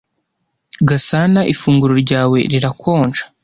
"Gasana, ifunguro ryawe rirakonja."